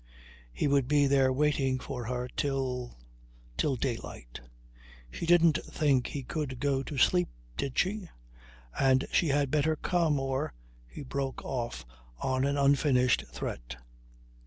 He would be there waiting for her till till daylight. She didn't think he could go to sleep, did she? And she had better come, or he broke off on an unfinished threat.